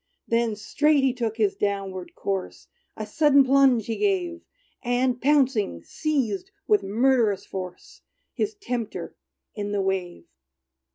Then straight he took his downward course; A sudden plunge he gave; And, pouncing, seized, with murderous force, His tempter in the wave.